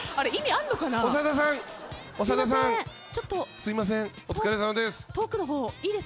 すいませんお疲れさまです。